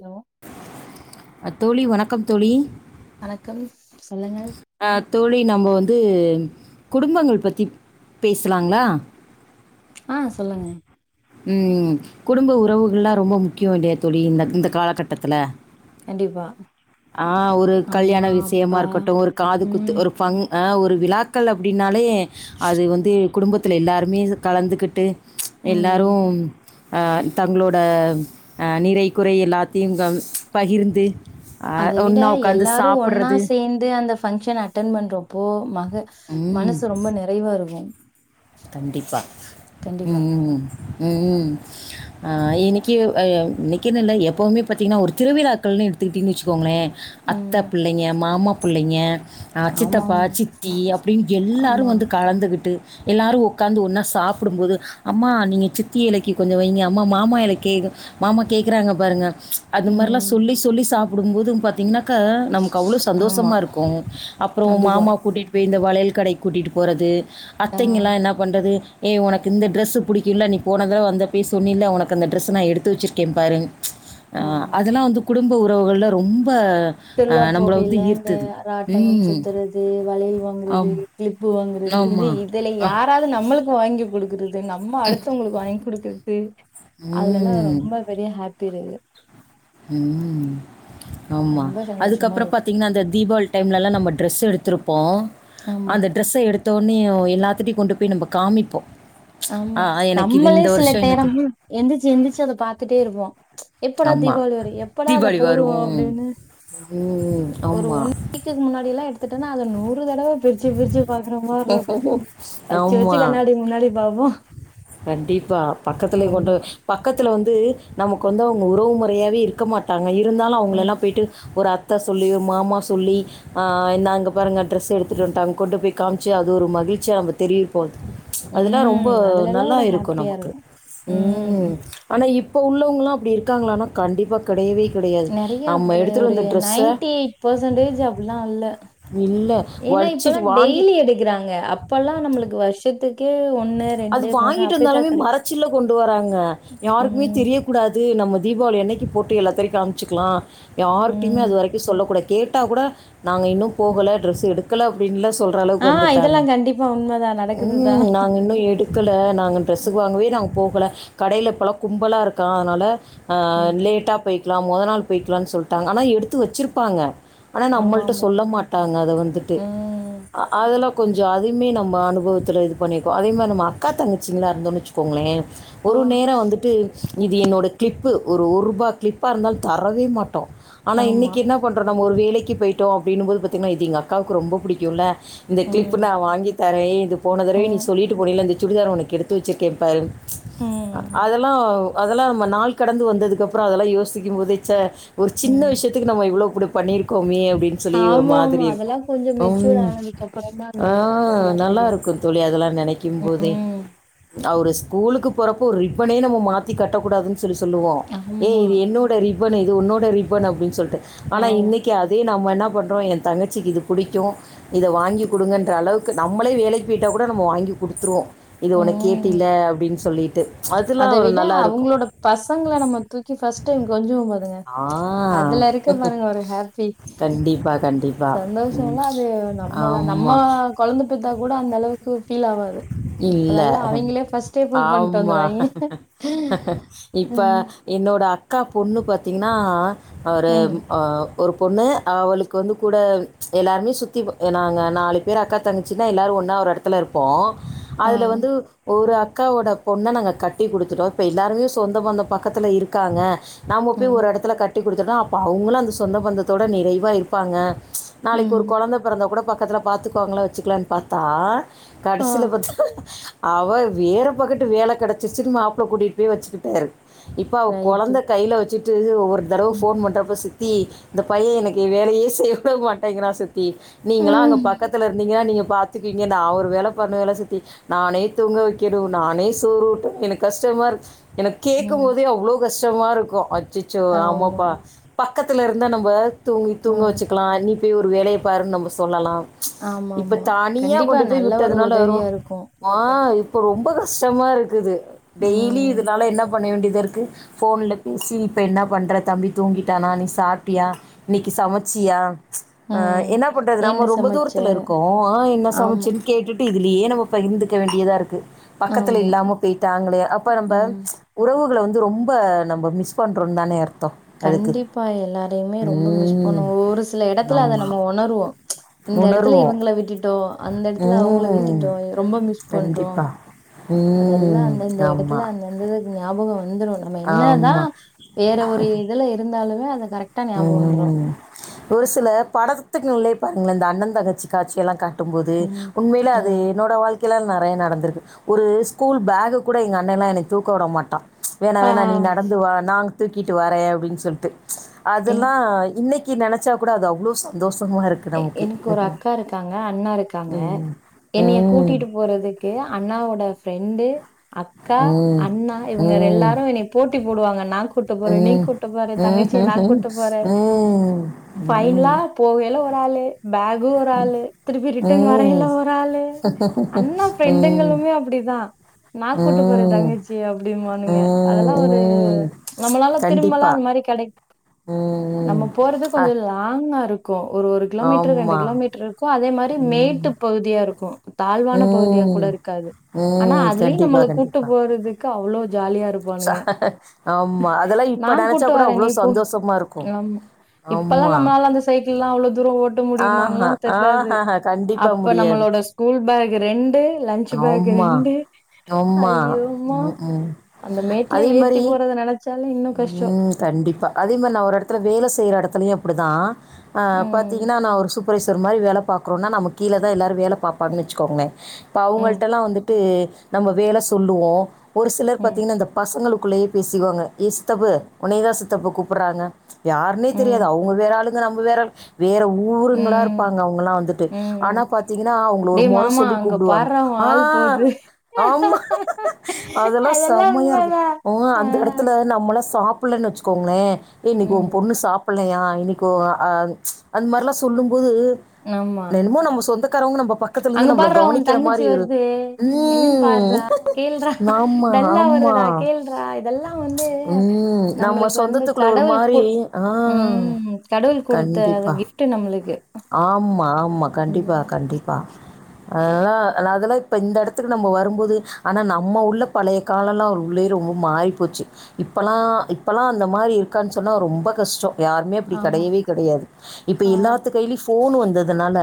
Hello அத்தோழி வணக்கம் தோழி வணக்கம் சொல்லுங்கள் அஹ தோழி நம்ப வந்து குடும்பங்கள் பத்தி பேசலாங்களா ஆஹ் சொல்லுங்க உம் குடும்ப உறவுகள்ல்லாம் ரொம்ப முக்கியம் இல்லையா தோழி இந்த இந்த காலகட்டத்துல கண்டிப்பா ஆஹ் ஒரு கல்யாண அம்மா விஷயமா அப்பா இருக்கட்டு ஒரு காது குத்து ம் ஒரு ஃபங் ஒரு விழாக்கள் அப்படின்னாலே அது வந்து குடும்பத்தில் எல்லாருமே கலந்துக்கிட்டு ம் எல்லாரு தங்களோட நிறைக்குறை எல்லாத்தையு பகிர்ந்து அஹ் அதை விட ஒண்ணா உட்காந்து எல்லாரு ஒன்னா சாப்பிட்றது சேர்ந்து அந்த ஃபங்க்ஷன் அட்டெண் பண்றோப்போ மக ம் மனசு ரொம்ப நிறைவா இருக்கு கண்டிப்பா கண்டிப்பா உம்ஹ் உம்ஹ் இன்னைக்கு இன்னைக்கன்ன இல்லை எப்பவுமே பாத்தீங்கன்னா ஒரு திருவிழாக்கள்னு எடுத்துக்கிட்டிங்க வச்சுக்கோங்களேன் அத்தை ம் பிள்ளைங்க மாமா பிள்ளைங்க அஹ் ஆமா சித்தப்பா ஆமா சித்தி அப்படின்னு எல்லாரும் ஆமா வந்து கலந்துகிட்டு எல்லாரு உட்காந்து ஒன்னா சாப்டும்போது அம்மா நீங்க சித்தி எலைக்கு கொஞ்ச வைங்க அம்மா மாமா எலைக்கு மாமா கேட்குறாங்க பாரு அது மாரிலா ம் சொல்லி சொல்லி சாப்பி போடும்போது பாத்தீங்கன்னா நமக்கு அவ்வளவு ஆமா சந்தோஷமா இருக்கும் அப்புற கண்டிப்பா மாமா கூட்டிட்டு போய் இந்த வளையல் கடைக் கூட்டிட்டு போறது ஆ பாத்தீங்களா என்னா பண்றது ஏ உனக்கு இந்த ட்ரெஸ் புடிக்குல நீ போனதட வந்த போய் சொன்னில உனக்கு அந்த டரெஸ்ஸை நா எடுத்து வச்சருக்கே பாரு ஆஹ் அதெல்லா வந்து குடும்ப உறவுகள்ள ரொம் சுற்றுலாப் போகையில இந்த ராட்டன ம். சுத்துறது வளயல் வாங்கறது ஆமா. கிளிப்பு வாங்கிறது ஆமா. இது இதுல அ. யாராவது நம்மளுக்கு வாங்கி கொடு நம்ம அடுத்தவங்களுக்கு வாங்கி கொடு து து அதுலல்லா ம். ரொம்ப பெரிய ஹாப் பிறகு உம் ஆமா ரொம்ப சந்தோஷமா அதுக்கப்பற இருக்கு பாத்தீங்கன்னா அந்த தீபாவள் டைம்லா நம்ம டிரெஸ் எடுத்திருப்போ ஆமா அந்த டிரெஸ் எடுத் தோனே எல்லாத்துட்டையு கொண்டு போய் நம்ம காமிப்போ ஆமா நம்மளே சில நேர எனக்கு எந்திச்சு எந்திரிச்சு அத பாத்துட்டே இருப்போ எப்படா ஆமா. தீபாவளி வரி எப்படா அதை தீபாவளி போடுவோ வரும். அப்படின்னு ம். ஒரு ஆமா. ஒன் வீக்குக்கு முன்னாடி எல்லா பட்டேன்னா அத நூறு தடவை பிரிச்சு பிரிச்சு பாக்குற மாருக்கு வச்சு வச்சு கண்ணாடி முன்னாடி பாப்போ கண்டிப்பா பக்கத்துலயே கொண்டு ஆமா பக்கத்து பக்கத்துல வந்து நமக்கு வந்து அவங்க உறவு முறையாவே இருக்க மாட்டாங்க அவங்க இருந்தாலு ம் அவங்களலா போய்ட்டு ஒரு அத் அத்த சொல்லி மாமா சொல்லி ஆஹ் நாங் பாருங்க ட்ரெஸ் எடுத்துட்டு வட்டா அங்க கொண்டு போய் காமிச்சு அது ஒரு மகிழ்ச்சிய அவ தெரிவிப்போ அதெல்லா ரொம்ப ம் அதுலல்லா நல்லா ஒரு இருக்கு ஹாப்பியா நமக்கு ம் உம் ஆனா இப் இப்போ உள்ளவங்கலா அப்டி இருக்காங்களனா கண்டிப்பாக கெடை நெறைய ப்ப ஒரு நைன்டி எயிட் பர்சன்டேஜ் அப்படிலா இல்ல இல்ல ஏன்னா இப்பல்லா வச்சுட்டு வாங்கி டெய்லி எடுக்கறாங்க அப்பல்லா நம்மளுக்கு வருஷ [unintelligible] அது வாங்கிட்டு வந்தாலுமே கிடைக்கும். மறைச்சில்ல கொண்டு வராங்க யாருக்குமே ம், தெரிய கூடாது தீபாவளி அன்னைக்கி போட்டு எல்லாத்திகிட்டயு காமிச்சுக்கலா யாருட்டுமே ம். அது வரைக்கு சொல்லக் கூடாது கேட்டா கூட நாங்க இன்னு போகல ட்ரெஸ்ஸு எடுக்கல ஆஹ் இதெல்லா கண்டிப்பா உண்மதா நடக்குதுதா ம். நாங்க இன்னும் எடுக்கல நாங்க டிரெஸ்ஸுக்கு வாங்கவே நாங்க போகல கடைல இப்பலா கும்பலா இருக்கா அதனால ஆஹ் ம். லேட்டா போய் குலாம் மொத நாள் போய்கலான்னு சொல்ட்டாங்க ஆனா எடுத்து வச்சிருப்பாங்க ஆனா நம்மள்ட்ட ஆமாமா. சொல்ல மாட்டாங்க அத வந்துட்டு ம். அ அதுல கொஞ்சம் அதுவுமே நம்ம அனுபவத்துத்துல இது பண்ணி இப்ப அதே மாரி நம்ம அக்கா தங்கச்சிங்களா இருந்தோன்னு வச்சுங்கோங்களே ஆ. ஒரு நேரோ வந்துட்டு இது என்னோட கிள்ப் ப்பு ஒரு ஒருபா கிளிப்பா இருந்தாலு தரவே மாட்டோ ஆனா ஆமா. இன்னைக்கி என்ன பண்றோ நம்ம ஒரு வேலைக் கி போயிட்டோ அப்டின்னுபோது பாத்திங்கன்ன இது எங்க அக்காவுக்கு ரொம்ப புடிக்கு இல்ல இந்த கிளிப்பு ம், நா வாங்கித் தரே இது போனதடவே நீ ம், சொல்லிட்டு போன இல்ல இந்த சுடிதார உனக்கு எடுத்து வச்சிருக்கே பாரு அ ம், அதலெல்லோ அதெல்லா நம்ம நாள் கடந்து வந்ததுக்கப்புற அதெல்லா யோசிக்கும்போதே ச்ச ஒரு சின்ன ம். விஷியத்துக்கு நம்ம இவ்ளோ புடி பண்ணியிருக்கோமே அப்டின் சொல்லி ஒரு ஆமாமா. மாதிரி இருக்கு அதெல்லாம் கொஞ்சம் அம் மெச்சூர் ஆனதுக்கு அப்புறம் தான் அந்த ஆஹ் அதெல்லாம் நல்லா தெரியும். இருக்கு தோழி அதெல்லா நெனைக்கும் போதே ம். அவரு ஸ்கூலுக்கு போறப்ப ஒரு ரிப்பனே நம்ம மாத்தி கட்டக்கூடாதுன்னு சொல்லி சொ சொல்லுவோ ஏ ஆமா, இது என்னோட ரிப் பனு இது உன்னோட ரிப்பனு அப்டின் சொல்ட்டு ஆனா ஆமா. இன்னைக்கி அதே நம்ம என்னா பண்றோ என் தங்கச்சிக்கு இது புடிக்கு இத வாங்கி குடுங்கன்ற அளவுக்கு நம்மளே வேலைக்கு போயிட்டா கூட நம்ம வாங்கி கி குடுத்துருவோ இது உன்னக் ம். கேட்டில்ல ப்டின்னு சொல்லிட்டு அத அதெல்லாம் ஒரு விட நல்லா இருக்கும் அவங்களோட பசங்களை நம்ம தூக்கி பஸ்ட் டைம் கொஞ்சுவோ பாதுங்க ஆ அதுல இருக்க பாருங்க ஒரு ஹாப்பி கண்டிப்பாக கண்டிப்பாக ம் சந்தோஷம்ல்லா அது நம்மாள நம்ம ஆமாம் கொழந்த பெத்தக் கூட அந்த அளவுக்கு ஃபீல் ஆவாது இல்ல. அதெல்லா அவிங்ளே பர்ஸ்டே ஃபில் பண்ட்டு ஆமா. வந்ருவாய்ங் இப்ப என்னோட அக்கா பொண்ணு பாத்தீங்க அஆ அவரு ம். அஹ் ஒரு பொண்ணு அவளுக்கு வந்து கூட எல்லாருமே சுத்தி பு நாங்க நாலு பேரு அக்கா தங்கசினா எல்லோரு ஒன்னா ஒரு எடத்ல இருப்போ ஆ. அதுல வந்து ஒரு அப் அக்காவோட பொண்ண நாங்க கட்டி குடுதுட்டோ இப்ப எல்லாருமே சொந்த பந்த பக்கதுல இருகாங்க நாமோ போயு ம். ஒரு எடதுல கட் கட்டி குடுத்ற அப்போ அவுங்ளு அந்த சொந்த பந்ததோட நிறைவா இருபாங்க நாளைக்கு ஒரு ம். கொழந்த பொறந்தா கூட பாக் பக்கதுல பாத்துக்வாங்ள வச்சுக்லானு பாத்தா க ஆ. சில பத்த அவ வேற பக்கட்டு வேல கெடச்சுச்சுனு மாப்ள கூட்டிட்டு போய் வச்சுகிட்டாரு இப்ப அவ ரைட்டு. கொழந்த கைல வச்சுட் இது ஒவ்வொரு இந்தடவ ம். ஃபோன் பண்றப்ப சிக் த்தி இந்த பைய இன்னைகி வேலயே செய்ய விட மாட்டேங்றா சித்தி த்தி நீங்ளா அங்க பக்கதுல இருந்தீங்க நீங்க பாத்துகுவீங்க தா அவுரு வேல பண்ணல சித்தி நானே தூங்க வைக்கணு நானே சோறு ஊட்டணு எனக்கு கஷ்டமாருக் எனக்கு கேக்கு ம். போது அவ்ளோ கஷ்டமா இருக்கும் அத் அச்சசோ ஆமாபா ஆமா. பா பக்கதுல இருந்தா நம்ப தூங்கி ஆ. தூங்க வச்சுக்லா நீ ஒரேரு வேலய பாரு நம்ப சொ சொல்லலா இப்ப ஆமாமா. தானிய கண்டிப்பா கொண்டு போய் நல்ல விட் ஒரு ன்றதுனால வரு உதவியா இருக்கும். வா இப்போ ரொம்ப கஷ்டமாக இருகுது டெய்லி ம். இதுனால என்னப் பண்ண வேண்டியதா இருக்கு ஃபோன்ல பேசி இப்போ என்ன பண்ற தம்பி தூங்கிடானா நீ சாப்டியா இன்னைகு சமச்சியா ஆஹ் ம். என்ன பண்றது என்ன நம்ம ரொம்ப சமைச்ச? தூரத்துல இருக்கோ என்ன ஆமா, சமைச்சு கேட்டுட்டு இதுலயே நம்ம பகிர்ந்துக்க வேண்டியதா இருக்கு பக்கத்துல ஆமா. இல்லாம போயிட்டாங்களே அப்ப நம்ம ம். உறவுகளை வந்து து ரொம்ப நம்ம மிஸ் பண்றோ தானே அர் கண்டிப்பா எல்லாரையுமே ரொம்ப மிஸ் ம் பண்ணு ஒரு சில இடத்துல அதை ஆமா நம்ம உணருவோம் இந்த இடத்துல உணருவோ இவங்கள விட்டுட்டோம் அந்த இடத்துல அவங்கள ம் ம். விட்டுட்டோ ரொம்ப மிஸ் பண்றோ கண்டிப்பா அதெல்லா ம் அந்தந்த ஆமா, இடத்துல அந்தந்தக்கு ஞாபக வந்து வந்துடும் நம்ம ஆமா. என்னதான் வேற ஒரு இருந்தாலுமே அத கரெக்டா ஞாபகம் வந்துரும் ம் ஒரு சில படத்துக்குள்ளையே பாருங்களே இந்த அண்ணன் தங்கச்சி காட்சியெல்லா கா ட்டு போது ம். உண்மையில ஆ. அது என்னோட வாழ்க்கை நிறைய நடந்திருக்கு ஒரு ஸ்கூல் பேக் கூட எங்க அண்ணனை எல்லா என்னை தூக்க விடமாட்டான் வேணா ஆ. வேணா நீ நடந்துவா நாங தூக்கிட்டு வரே அப்படின்னு சொல்லிட்டு என் அதெல்லாம் இன்னைக்கு நினைச்சா கூட அது அவ்வளோ சந்தோஷம் எனக்கு ஒரு அக்கா இருக்காங்க அண்ணா இருக்காங்க ம். என்னைய ம். ம். கூட்டிட்டு போறதுக்கு அண்ணாவோட ஃப்ரெண்டு அக்கா ம். அண்ணா இவங்க ம். எல்லாரும் என்னை போட்டு போடுவாங்க நங்க கூப்ட்டு போற நீ கூப்ட்டு போற தங்கச்சி நான் ம்ஹ்ஹ்ம். கூட்டு போற ம். பைனலா ம். ம். போகல ஒரு வாலு பேகு ஒரு ஆளு திருப்பி ரிட்டன் வரையில ம். ஒரு ஆளு அண்ணா ம். ஃப்ரெண்டுங்களுமே அப்படிதான் நான் கூட்டு போறேன் ம். தங்கச்சி அப்படின்பானுங்க அதெல்லாம் ஒரு ம். நம்மளால திரும்பலாம் கண்டிப்பா. அந்த மாதிரி கிடை ம். நம்ம போறது அ கொஞ்ச லாங்கா இருக்கு இருக்கு ஒரு கிலோமீட்டர் ரெண்டு ஆமா. கிலோமீட்டர் இருக்கு அதே மாதிரி ம். மேட்டு பகுதியா இருக்கு தாழ்வான பகுதியா கூட ம். இருக்காது ஆனா அதுலயு கண்டிப்பா, நம்மள கூட்டு கண்டிப்பா. போறதுக்கு அவ்ளவு ஜாலியா ச இருப்பானுங்க ஆமா. அதெல்லாம் இப்ப நான் நெனச்சா கூட்டு கூட வரேன் அவ்ளோ நீ போ சந்தோஷமா இருக்கும். ஏன் அம்மா இப்பல்லாம் ஆமா. நம்மளால அந்த சைக்கிள் எல்லாம் அவளோ [unintelligible] போட முடியுமான்லா ஆஹா, தெரியாது ஆஹஹ. கண்டிப்பா அப்ப முடியாது. நம்மளோட ஸ்கூல் பேக் ரெண்டு பேகு ஆமா ரெண்டு ஆமா ஐயோ அம்மா ம் ம் அந்த மேட்ல ஏத்தி போறத நினைச்சு உம் கண்டிப்பா அதே மாதிரி நான் ஒரு இடத்துல வேலை செய்யற இடத்துலயும் அப்படிதான் ஆஹ் ம், பாத்தீங்கன்னா நான் ஒரு சு புரைசர் மாரி வேலை பாக்கறோம்னா நம கீழே தான் எல்லாரும் வேலை பாப்பாங்கன் வச்சுக்கோங்க இப்போ ம், அவங்கள்ட்டலாம் வந்துட்டு நம்ம வேலை சொல்லுவோம் ஒரு சிலர் ம், பாத்தீங்கன்னா அந்த பசங்களு குள்ளயே பேசிக்குவாங்க ஏ சித்தப்பு உனயதான் சித்தப்பு கூப்பிட்றாங்க யாருன்னே தெரியாது ம், அவங்க வேற ஆளுக்கு நம்ம வேற வேற ஊருங்களா ம். இருப்பாங்க அவங்கல்லாம் வந்துட்டு ம் ஆனா பாத்தீங்கன்னா அவங்கள ஒரு டேய் முறை மாமா சொல்லி அங்க கூப்பிடுவாங்க பார்றா உ ஆள் ஆஹ் போது ஆமா அதெல்லா செம்மையா இருக்கு உம் ஆ அந்த இடத்து நம்மளாம் சாப்பிடலன் வச்சுக்கோங்களேன் இன்னைக்கு உன் ம் பொண்ணு சாப்பிட்லயா இனைக்கும் அ அந்த மாதிரிலாம் சொல்லு போது ஆமா என்னமோ நம்ம சொந்த இருக்குறவங்க நம்ம பக்கத்துல இருந்து அங்க நம்மள பார்றா உ கவனிக்கிற தங்கச்சி மாதிரி ஒரு வருது என்னன்னு பார்றா கேள்றா உம் ஆமா டல்லா ஆமா வருதுடா கேள்றா இதெல்லா வந்து உம் நம்ம நம்மளுக்கு வந்து சொந்தத்துக்குள்ள ஒரு கடவுள் கு மாதிரி ஆஹ் ம் கடவுள் குடுத்த அது கண்டிப்பா கிஃப்ட் நம்மளுக்கு ஆமா ஆமா கண்டிப்பா ம் கண்டிப்பா ஹ் அதெல்லாம் இப்ப இந்த இடத்துக்கு நம்ம வரும்போது ஆனா நம்ம உள்ள பழைய காலலா அவர் உண்மைலயே ரொம்ப மாறி போச்சு இப்போல்லா இப்போல்லா அந்த மாதிரி இருக்கான்னு சொன்னா ரொம்ப கஷ்டம் யாருமே அப்படி ஆமா கிடையவே கிடையாது இப்போ ஆ எல்லாத்து கையிலயு ஃபோன் வந்ததுனால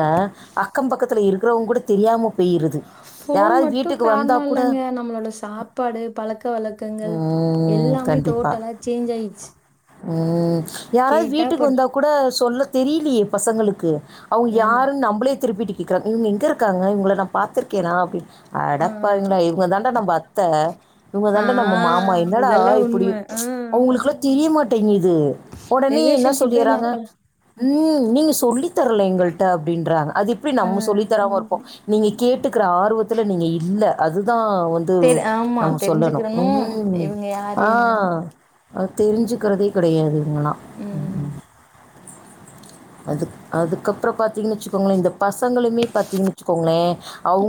அக்கம் பக்கத்தில் இருக்கிறவங்க கூட தெரியாம போயிருது. ஃபோன் யாராவது மட்டும் வீட்டுக்கு வந்தா காரணம் கூட இல்லங்க நம்மளோட சாப்பாடு பழக்க வழக்கங்கள் ம். எல்லாமே டோட்டலா சேஞ்ச் ஆயிடுச்சு உம் யாராவது கேட்டா வீட்டுக்கு இப்ப வந்தா கூட சொல்ல தெரியலயே பசங்களுக்கு அவங்க ஆமா. யாருன்னு நம்மளே திருப்பிட் க்றாங்க இவங்க எங்க இருக்காங்க இவங்கள நான் பாத்து்த்திருக்கேனா அப்படின்னு ஆ, அடப்பாவிங்களா ஆ, இவங்க தாண்ட நம்ம அத்தை இவங்க ஆ. ஆ தாண்ட நம்ம மாம் என்னடா இதெல்லாம் உண்ம. இப்படி ஆ. அவங்களுக்கெல்லாம் தெரிய மாட்டே தேங்கி த்து உடனே என்ன ரிலேஷன்ஷிப்பே இல்ல சொல்லிறாங்க அப்பலாம். உம் நீங்க சொல்லி தரல எங்கள்ட்ட அப்படின்றாங்க அது இப்படி ஆ. நம்ம சொல்லி தராம இருப்போ நீங்க கேட்டுக்கிற ஆர்வத்துல நீங்க இல்ல அதுதா வந்து தெரி ஆமா நம்ம சொல்லணு தெரிஞ்சுக்கிறணும். ம் ம் இவங்க யாரு என்னன்னு. ஆஹ் அ தெரிஞ்சுக்கறதே கடையாது ம். [unintelligible] அதுக் அதுக்கப்றொ பாத்தீங்னு வெச்சுக்கோங்ளே இந்த பசங்களுமே பாத்தீங்ன்னு வெச்சுக்கோங்ளே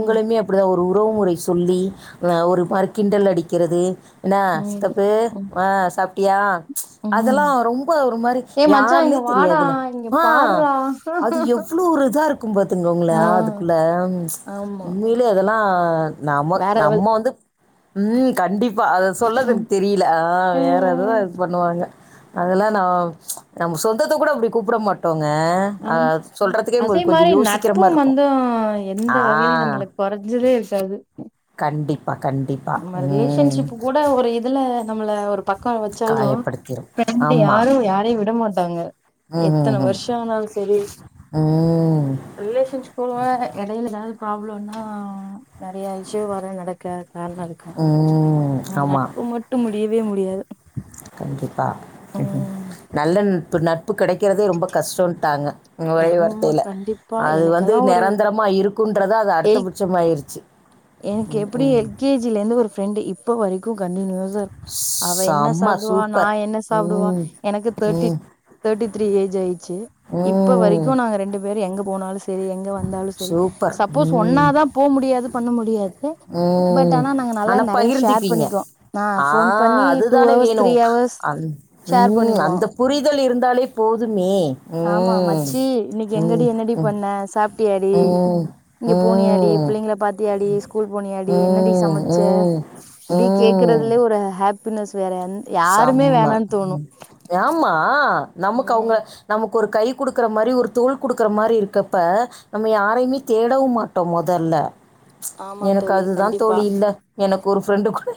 ம், அப்டிதா ஒரு ஊ உறவு முறை சொல்லி அ ஒரு மாரி கிண்டல் அடிக்கிறது என்ன ம், சித்தப்பு ம். அ சாப்ட்டியா அதெல்லா ம். ரொம்ப ஒரு மாரி ஏய் மச்சான் யாருன்னே இங்க வாடா, தெரியாதுல இங்க ஆ பார்றா. அது எவ்ளே ஒரு இதா இருக்கு பாத்துங்கோங்ளே ஆ, அதுக்குள்ள ஆமா. உண்மைலியே அதெல்லா நமக் வேற நம்ம லெவல். வந்து ம் கண்டிப் பா அத சொல்லதுக் ம். தெரில ஆ வேற எதோ ம். இது பண்ணுவாங்க அதெல்லா நா நம்ம சொந்தத்த கூட அப்டி கூப்ட மாட் ம் அதே கொஞ்சம் மாரி யோசிக்கிற மாரி நட்பும் இருக்கும். வந்து எந்த ஆ. வகைலியு நம்மளுக் கொறஞ்சதே இருக்காது கண்டிப் நம்ம ரிலேஷன்ஷிப்பு கூட ஒரு இதுல நம்மள ஒரு ப க்கோ வச்சாலு காயப்படுத்திரும். பெண்டு ஆமா. யாரு யாரைய் விட மாட்டாங்க எத்தன ம்ஹ்ஹ்ம். வர்ஷ ஆனாலு சரி ம். ரிலேஷன்ஷிப்பு [unintelligible] எடைல எதா ப்ராப்ளொனா நறைய இஷு வேர நடக்காத் காரண இருக்கு ம். ஆனா நட்பு மட்டு முடியி வே முடியாது கண்டிப்பா ம் நல்ல நட்பு நட் ப்பு கெடைக்கிறதே ரொம்ப கஷ்டோன்ட்டாங்க ஒரே ஆமா வார்த்தைல கண்டிப்பா அது வந்து எனக்கெல்லா ஒரு நெரந்தரமா இரு குன்றத அது எய்த் அடுத்தபட்சமாயிர்ச்சு எனக்கு எப்டி எல் கே ஜி ல இந்து ஒரு ஃப்ரெண்டு இப்ப வரைக் கு கண்டின்யூவா சா அவ என்ன செம்ம சாப்டு நா சூப்பர் என்ன சாப்டுவா ம் எனக்கு தேர்ட்டி ம் தேர்ட்டித்ரீ ஏஜ் ஆயிர்ச்சு இப்ப ம் வரைக்கு நாங்க ரெண்டுப் வேரு எங்க போனாலு செரி எங்க வந் ந்தாலு சரி சூப்பர் சப்போஸ் ஒன்னா தா போ முடியாது ண் முடியாது பட் உம் ஆனா நாங்க நல்லா ஆனா நெறைய ஷேர் பகிர்ந்திப்பீங்க பண்ணிக்குவோ நா ஃபோன் ஆஹ் பண்ணி டூ அதுதானே ஹவர்ஸ் வேணு த்ரீ ஹவர்ஸ் அந்த் ஷேர் உம் பண்ணிக்குவோ அந்த புரிதல் இருந்தாலே போதுமே ஆமா மச்சி இன்னைக்கு எங்கடி உம் என்னடி உம் பண்ண சாப்ட்டியாடி உம் ஓடி ஸ்கூல் போ டி என்னடி சமச்ச ம் இப்டி ம் கேக்குறதுலே ஒரு ஹேப் பினெஸ் செம்ம யேம்மா நமக்கு அவுங்க ம் நம்மக் க்கு ஒரு கை குடுக்குற மாரி ஒரு தோள் குடுக்குற மாரி இருக்கப்ப நம்ம யாரையுமே தேடவும் மாட்டோம் மொதல்ல ஆமா எனக்கு தோழி அதுதான் கண்டிப்பா தோழி இல்ல எனக்கு ஒரு ஃப்ரெண்டு கூட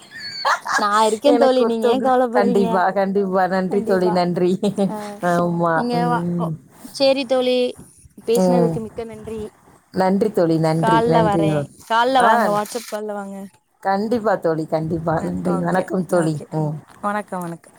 நா இருக்கேன் எனக்கு தோழி நீங்க ஏன் ஒருத்தவங்க கவலப்பறீங்க கண்டிப்பா, கண்டிப்பா. நன்றி தோழி கண்டிப்பா நன்றி. ஆஹ் ஆமா. நீங்க வா ஓ ம். சேரி தோழி ம். பேஸ்னதுக்கு மிக்க நன்றி நன்றி தோழி நன்றி, கால்ல நன்றி. வரேன் கால்ல ஆ வாங்க வாட்ஸ்சப் கால் லவாங்க கண்டிப்பா தோழி கண்டிப்பா. ஆஹ் நன்றி. ஓகே வணக்கம் அஹ் தோழி. ஓகே ம். வணக்க வணக்கம்